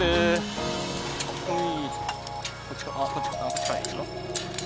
こっちからでいいですか？